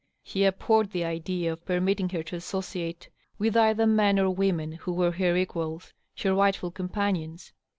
He abhorred the idea of permitting her to associate with either men or women who were her equals^ her rightful companions.